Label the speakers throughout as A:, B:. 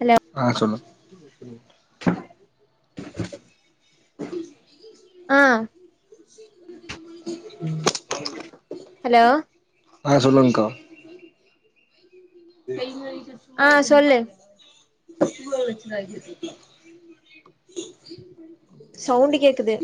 A: Hello
B: ஆ சொல்லு
A: ஆ
B: உம்
A: ஹலோ
B: ஆ சொல்லுங் க்கா கை மாதிர சும்மா
A: ஆ
B: இருக்க
A: சொல்லு
B: முடியையா ச்ச
A: சவுண்டு கேக்குது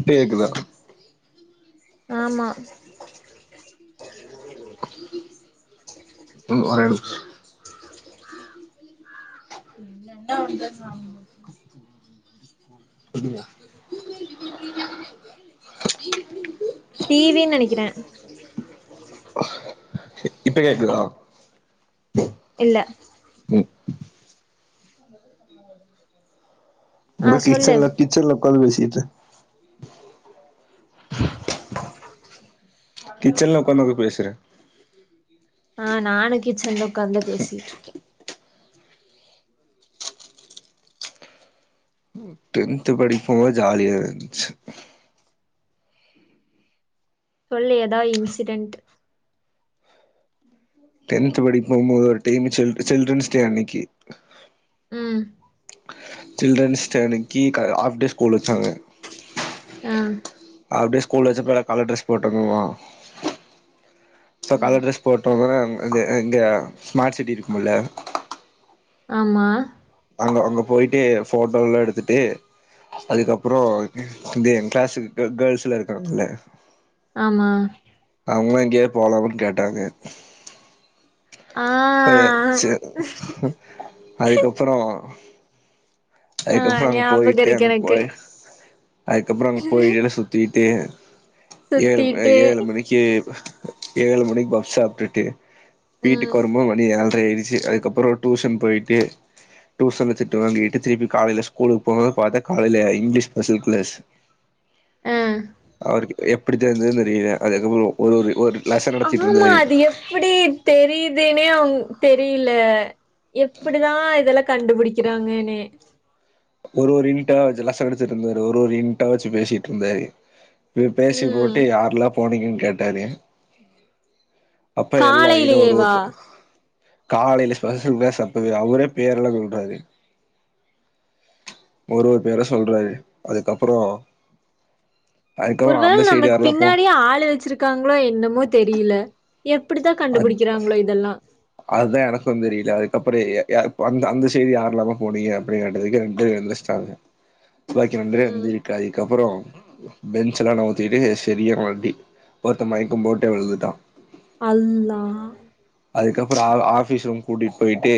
B: இப்ப கேக்குதா
A: ஆமா
B: ம் ஒரே நிமிஷோ
A: ம்
B: [inaudible] [inaudible]
A: டிவின்னு நெனைக்கிறே
B: இப்ப கேக்குதா
A: இல்ல
B: ம்
A: ஆ
B: ஒங்க
A: சொல்லு
B: கிச்சன்ல கிச்சன்ல ஒக்காந் பேசிட்டு கிச்சன்ல ஒக்காந்து எதுக் பேசற
A: ஆ நானு கிச்சன்ல உக்காந் தா பேசிட்ருக்கே
B: டென்த்து படிப்போது ஜாலியா இந்துச்சு
A: சொல்லு எதா இன்சிடென்ட்
B: டென்த் படிக்க போம்போது ஒரு டைமு சில் சில்ரன்ஸ் டே அன்னைக்கு
A: ம்
B: சில்ட்ரன்ஸ் டே அன்னைக்கு க ஆஃப் டே ஸ்கூல் வச்சாங்க
A: ஆ
B: ஆஃப் டே ஸ்கூல் வச்சப்ப எல்லா கலர் ட்ரெஸ் போட்ட [unintelligible] சோ
A: ம்
B: கலர் ட்ரெஸ் போட்டோ [unintelligible] இது இங்க ஸ்மார்ட் சிட்டி இருக்குமுல
A: ஆமா
B: அங்கோ அங்க போயிட்டு ஃபோட்டோல்லா எடுத்துட்டு அதுக்கப்றோ இது எங் கிளாஸுக்கு கேர்ள்ஸ்லா இருக்காங்கல்ல
A: ஆமா
B: அவங்கலா எங்யாது போலாமான் கேட்டாங்க
A: ஆ
B: [unintelligible] சே அதுக்கப்பறோ
A: ஆ
B: அதுக்கப்பறோ அங்க
A: ஞாபக
B: போயிட்டு
A: இருக்கு
B: அங்க
A: எனக்கு
B: போய் அதுக்கப்றோ அங்க போயில்ல சுத்திட்டு ஏழு
A: சுத்திட்டு
B: ஏழு மணிக்கு ஏழு மணிக்கு பப்ஸ் சாப்ட்டுட்டு வீட்டுக்கு
A: ம்
B: வருபோ மணி ஏ எட்ரை ஆயிடுச்சு அதுக்கப்றோ டூஷன் போயிட்டு டூஷன்ல திட்டு வாங்கிட்டு திருப்பி காலைல ஸ்கூலுக்கு போ வு பாத்தா காலைல இங்கிலீஷ் ஸ்பெஷல் கிளாஸ்
A: ஆ
B: அவருக்கு எப்டி தெரிஞ்சுதுன் தெரில அதுக்கப்றோ ஒரு ஒரு ஒரு லெசன் நடத்திட்டு
A: ஆமா
B: இருந்தாரு
A: அது எப்டி தெரியுதுன்னே அவுங் தெரில எப்புடிதா இதெல்லா கண்டுபுடிக்குறாங்கன்னே
B: ஒரு ஒரு இன்ண்டா வச்சு லசன் எடுத்துட்டு இருந்தாரு ஒரு ஒரு இன்ட்டா வச்சு பேசிட்ருந்தாரு இவ்ரு பேசி
A: ம்
B: போட்டு யார்ல்லா போனீங்கன் கேட்டாரு அப்ப எல்லா இன்னொரு
A: காலையிலயேவா
B: ஊத்து காலைல [unintelligible] சாப்டது அவுரே பேரெல்லா சொல்றாரு ஒரு ஒரு பேரா சொல்றாரு அதுக்கப்றோ
A: ஒருவேள் நம்ளுக் பின்னாடியே ஆள் வச்சிருக்காங்ளோ என்னமோ தெரியில எப்டி தா கண்டுபுடிக்கிறாங்ளோ இதெல்லா
B: அதுதே எனக்கு தெரில அதுக்கப்றோ ய யா அந்த அந்த சைடு யார்லாங்க போனீங்க அப்டின் கேட்டதுக்கு ரெண்டுபேர் எந்துருச்ட்டாங்க துவக்கி நன்றே
A: ம்
B: வந்துருக்காயிக்கப்பறோ பென்ச்செல்லா நவுத்திட்டு சரியா அடி ஒருத்த மயக்கோ போட்டே விழுந்துட்டா
A: அல்லா
B: இதுக்கப்றோ ஆ ஆஃபீஸ் ரூம் கூட்டிட்போய்ட்டு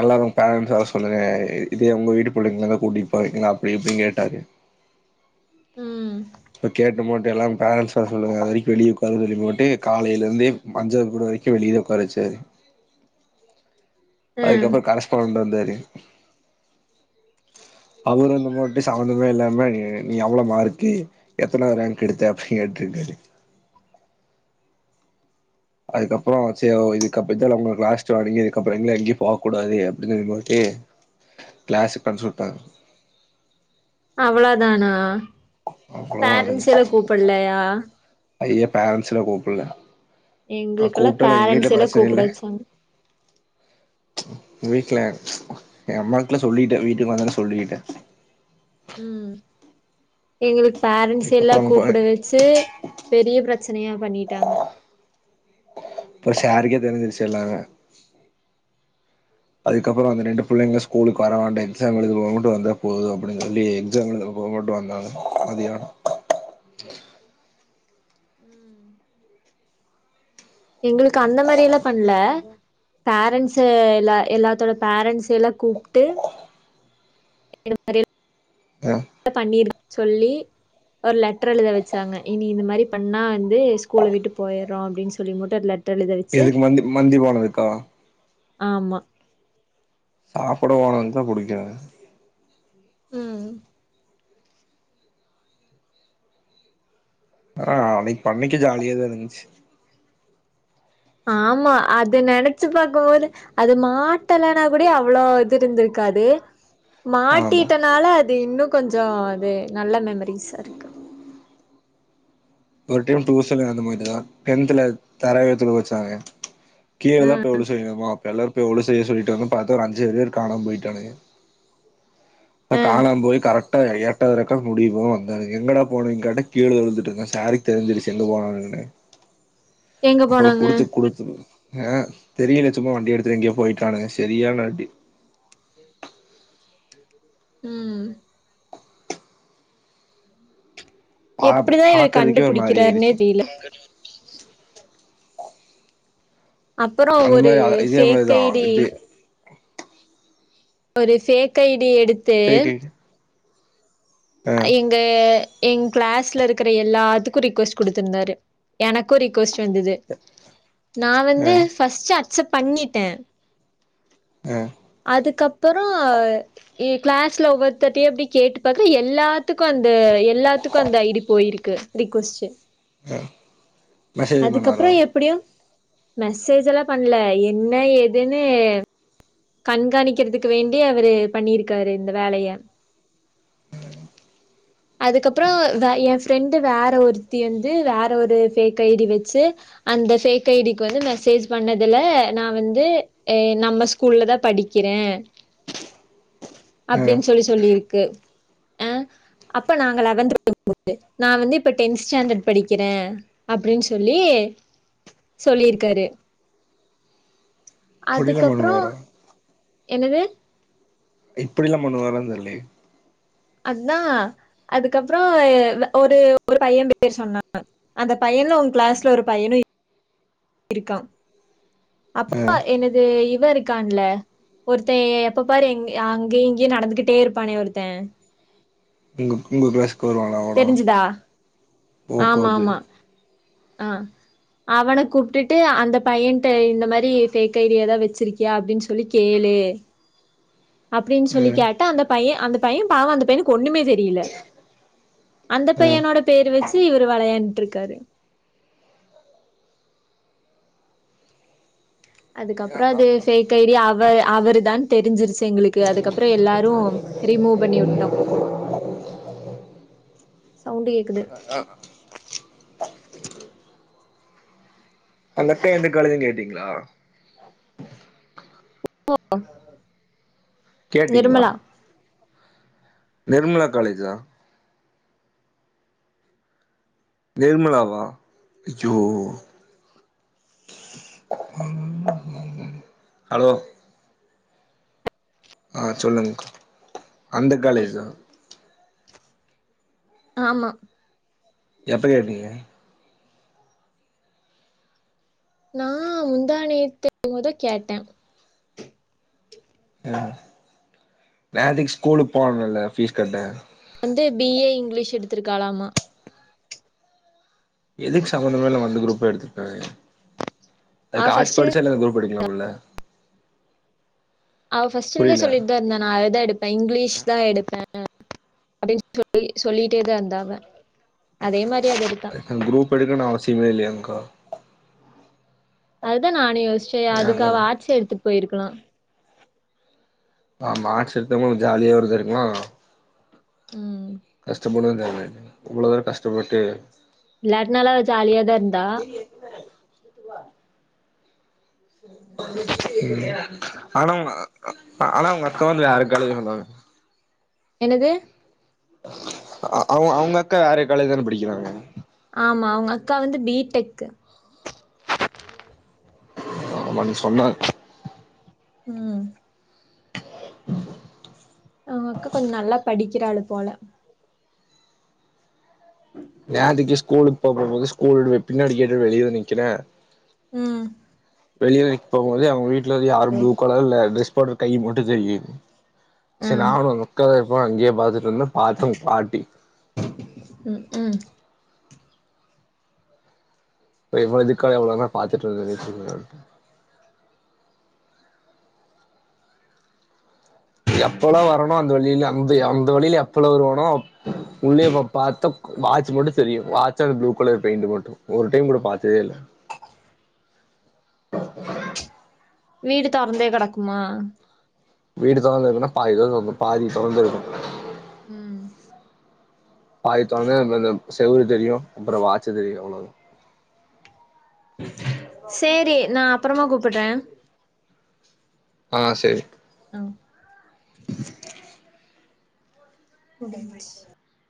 B: எல்லாரு பேரண்ட்ஸ வர சொல்லுங்க இதே உங்க வீட்டு பிள்ளைங்லாந்த கூட்டிட்போவீங்லா அப்டி இப்டின் கேட்டாரு
A: ம்
B: இப்ப கேட்டு மட்டு எல்லா பேரண்ட்ஸ் வர சொல்லுங்க அதுவரைக்கு வெளி ஒக்கா சொல்லி மட்டு காலைலருந்தே மஞ்சங்கூட ரைக்கே வெளிய தா ஒக்கார வச்சாரு
A: அ
B: அதுக்கப்றோ கரஸ்பாண்ட் வந்தாரு அவுரு இந்த மட்டு சம்பந்தமே இல்லாம நீ நீ எவ்ளோ மார்க்கு எத்தனாது ரேங்க் எடுத்த அப்டி கேட்ருக்காரு அதுக்கப்றோ சே இதுக்கப் இதா உங்களுக்கு லாஸ்ட்டு வானிங்கு இதுக்கப்றோங்லா எங்கயு போ கூடாது அப்டின் [unintelligible] க்ளாஸ் பன்ச்சுட்டாங்க
A: அவ்ள தானா
B: அவ்ளோ தா நடன்ச் அய்யய்ய பேரன்ஸ்லா கூப்புல ஆ
A: எங்களுக்கெல்லா
B: கூப்ட்டா நா எங்கவீட்ல
A: பேரண்ட்ஸ் எல்லா
B: பிரச்சன
A: கூப்பிட
B: இல்ல
A: வச்சாங்க
B: வீட்ல எங்கம்மாக்லா சொல்லிட்டே வீட்டுக்கு வந்தோனே சொல்லிட்டே
A: ம் எங்ளு பேரண்ட்ஸெல்லா
B: அதுக்கப்றோ ப
A: கூப்புட வச்சு பெரிய பிரச்சனையா பண்ணிட்டாங்க
B: இப்ப சாருக்கே தெரிஞ்சிருச்சு எல்லாமே அதுக்கப்றோ அந்த ரெண்டு புள்ளைங்கல ஸ்கூலுக்கு வரவேண்டா எக்ஸாம் எழுதுறப்ப மட்டு வந்தா போது அப்டின் சொல்லி எக்ஸாம் எழுதுறப்ப அப்ப மட்டு வந்தாங்க மதியானோ
A: ம் எங்களுக்கு அந்த மாரியல்லா பண்ல பேரண்ட்ஸு எல்லா எல்லாத்தோட பேரண்ட்ஸெல்லா கூப்ட்டு [inaudible]
B: அ
A: பண்ணிரு சொல்லி ஒரு லெட்ரு எழுத வச்சாங்க இனி இந்த மாரி பண்ணா வந்து ஸ்கூல விட்டு போயறோ அப்டி சொல்லி மட்டு அதுல
B: எதுக்கு மந்தி மந்தி பானதுக்கா
A: ஆமா
B: சாப்புட போனதுக்கு தா புடிக்குறாங்க
A: ம்
B: ஆ அன்னக்கி பண்ணக்கி ஜாலியாதாருந்துச்சு
A: ஆமா அத நெனச்சு பாக்கபோது அது மாட்டலனா கூடயோ அவ்ளோ இது இருந்திரு க்காது
B: ஆமா
A: மாட்டிட்டனால அது இன்னு கொஞ்சோ அது நல்ல மெமரிஸ்ஸாருக்கு
B: ஒரு டைம் டூசன்லயு அந்த மாரிதா டென்த்துல தராவீயா தொழுக வச்சாங்க கீழ
A: அ
B: தா போய் ஒளு செய்யணுமா ப்ப எல்லாரு போய் ஒளு செய்ய சொல்லிட்டாங்க பாத்தா ஒரு அஞ்சாறு பேரு காணாம போய்ட்டானுங்க ப்ப
A: அ
B: காணாம் போய் கரெக் ட்டா எட்டாவது ரக்காத் முடியபோ வந்தானுங்க எங்கடா போனீங்க கேட்டா கீழ விழுந்துட்டேங்க சாருக்கு தெரிஞ்சிடிச்சி எங்க போனங்கன்னு
A: எங்க
B: அப்பறோ
A: போனாங்க?
B: குடிச்சி குடிச்சி அ தெரியல சும்மா வண்டி எடுத்துட்டு எங்கயோ போயிட்டானுங்க செரியான அடி
A: ம்
B: பா
A: எப்டிதா இத
B: பாக்குறதுக்கே ஒரு மாரி
A: கண்டுபுடிக்கிறாருன்னே
B: ஆயிடுச்சு
A: தெரில அப்புறம்
B: அந்த
A: ஒரு
B: மாரி இதே
A: ஃபேக்
B: மாரிதா
A: ஐ டி
B: இதே
A: ஒரு ஃபேக் ஐ டி எடுத்து
B: ஃபேக்கு ஆ
A: எங்க என் க்ளாஸ்ல இருக்கிற எல்லாத்துக்கூ ரிக்வஸ்ட் குடுத்திருந்தாரு எனக்கூ ரிக்வஸ்ட் வந்தது நா
B: ஆ
A: வந்து ஃபர்ஸ்ட் அக்செப்ட் பண்ணிட்டே
B: அ
A: அதுக்கப்பறோ இ கிளாஸ்ல ஒவ்வொருத்தர்ட்டையு அப்டி கேட்டு பாக்குற எல்லாத்துக்கு அந் டு எல்லாத்துக்கூ அந்த ஐ டி போயிருக்கு ரிக்வஸ்டு
B: அ
A: அதுக்கப்பறோ எப்டியோ மெசேஜ் எல்லா பண்ல என்ன ஏதுன்னு கண்காணிக்கறதுக்கு வேண்டி அவரு பண்ணிருக்காரு இந்த வேலய அதுக்கப்பறோ வ ய ஃப்ரெண்டு வேற ஒருத்தி வந்து வேற ஒரு ஃபேக் ஐ டி வச்சு அந்த ஃபேக் ஐ டிக்கு வந்து மெசே சேஜ் பண்ணதுல நா வந்து நம்ம ஸ்கூல்ல தா படிக்கிறே
B: ஆ
A: அப்டின் சொல்லி சொல்லிருக்கு அ அப்ப நாங்க லெவன்த் [unintelligible] நா வந்து இப்ப டென்த் ஸ்டாண்டர்ட் படிக்கிறே அப்டின் சொல்லி எ சொல்லிருக்காரு
B: இப்புடிலா
A: அதுக்கப்புறோ
B: பண்ணுவாரா
A: என்னது
B: இப்படில்லா பண்ணுவாரான் தெர்லயே
A: அதா அதுக்கப்றோ ஒரு ஒரு பையன் பேர் சொன்னா அந்த பையன் என்ன உங் க்ளாஸ்ல ஒரு பையனு இரு இருக்கான்
B: ஆ
A: அப்போ எனது இவருக் இருக்கான்ல ஒருத்தே எப்ப பாரு எ அங்கயு இங்கயு நடந்துகிட்டே இருப்பானே ஒருத்த
B: உங்க உங்க க்ளாஸ்க்கு வருவானா அவனா
A: தெரிஞ்சுதா
B: போ அப்ப அது
A: அ அவன கூப்டுட்டுட்டு அந்த பையன்ட்ட இந்த மாரி ஃபேக் ஐ டி எதா வச்சிருக்கியா அப்டின் சொல்லி கேளு இ அப்டின் சொல்லி
B: ம்
A: கேட்டா அந்த பையன் அந்த பையன் பாவோ அந்த பையனுக்கு ஒண்ணுமே தெரியில அந்த
B: ம்
A: பையனோட பேரு வச் சி இவரு வெளையாண்ட்ருக்காரு அதுக்கப்பறோ அது ஃபேக் ஐ டி அவரு அவரு தான் தெரிஞ்சிருச்சு எங்களுக்கு அதுக்கப்பறோ எல்லாரு ரிமூவ் பண்ணி வுட்டோ சவுண்டு கேக்குது
B: அந்த பையேன் எந்த காலேஜ்னு கேட்டீங்களா
A: [unintelligible]
B: கேட்டீங்களா
A: நிர்மலா
B: நிர்மலா காலேஜா நிர்மலா வா அய்யோ ஹலோ அ சொல்லுங் அந்த காலேஜா
A: ஆமா
B: எப்ப கேட்டீங்க
A: நா முந்தாநேத்து என்மோ தா கேட்டே
B: னா நேத்திக் ஸ்கூலுக் போனல்ல ஃபீஸ் கட்ட
A: ந்து பி ஏ இங்கிலீஷ் எடுத்திருக்காளாமா
B: எதுக்கு சம்மந்தமே இல்லாம அந்த குரூப் எடுத்துர்காக
A: அவ
B: அதுக்கு ஆர்ட்ஸ்
A: ஃபர்ஸ்ட்ல
B: படிச்சா [unintelligible] குரூப் படிக்கணுமில்ல
A: அவ ஃபஸ்ட்லர்ந்தே சொல்லிட் தா இருந்தா நா அது தா எடுப்பே இங்கிலீஷ் தா எடுப்பே அப்டின் சொல்லி சொல்லிட்டே தா இர்ந்தா அவ அதே மா
B: அதுக் அந் க்ரூப் எடுக்கனு அவசியமே இல்லயேங்க்கா
A: அது தா நானு யோஸ்ச்சே
B: ஏங்க
A: அதுக்காக ஆட்ஸ்ஸே எடுத்துட் போயிருக்கலா
B: ஆமா ஆட்ஸ் எடுத்தவங்க ஜாலியாவு இருந்திருக்கலா
A: ம்
B: கஷ்டப்பட்னுன் தேவ இல்ல இவ்ளோ தூரோ கஷ்டப்பட்டு
A: இல்லாட்னாலு அவ ஜாலியாதா இர்ந்தா
B: ஆனா உங்க அ ஆனா உங்க அக்கா வந்து வேற காலேஜ் [unintelligible]
A: என்னது
B: அ அ அவுங் அவுங்க அக்கா வேற காலேஜ் தான படிக்கிறாங்க
A: ஆமா அவங்க அக்கா வந்து பி டெக்கு
B: ஆமா நீ சொன்ன
A: ம் அவுங் அக்கா கொஞ் நல்லா படிக்கிற ஆளு போல
B: விளாடிட்டு ஸ்கூலுக் போகும் போது ஸ்கூல் விட் பின்னாடி கேட்டு வெளிய வந் நிக்கிறே
A: ம்
B: வெளியூரிக் போம்போது அவுங்க வீட்லருந்து யாரோ ப்ளூ கலர்ல ட்ரெஸ் பாடர் கை மட்டு தெரியிது சேரி
A: ம்
B: நானு உங்க அக்கா தா இருப்பா அங்கயே பாத்துட் ப்பறந்தா பாத்தா உங் பாட்டி
A: ம், ம்
B: இப்ப இவ்வளதுக்கு எவ்ளோ தா பாத்துட்ருந்த [unintelligible] எப்பல்லா வரனோ அந்த வழிலே அந்த அந்த வழில எப்பல்லா வருவனோ அப் உன்ன இப்ப பாத்தா வாட்ச் மட்டு தெரியு வாட்ச்சு அந்த ப்ளூ கலர் பெயிண்டு மட்டு ஒரு டைம் கூட பாத்ததே இல்ல
A: வீடு தொறந்தே கெடக்குமா
B: வீடு தொறந்துருக்குன்னா பாதி தா தொறந்து பாதி தொறந்துருக்கு
A: ம்
B: பாதி தொறந்தே இருந்துத்னா செவுரு தெரியு அப்றோ வாட்ச்சு தெரியு அவ்ளோ தா
A: சேரி நா அப்பறமா கூப்புட்றே
B: ஆ சேரி
A: [unintelligible]